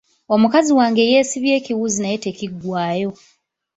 Omukazi wange yeesiba ekiwuzi naye tekiggwayo.